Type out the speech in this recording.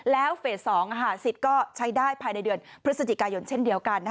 แล้วเฟส๒สิทธิ์ก็ใช้ได้ภายในเดือนพฤศจิกายนเช่นเดียวกัน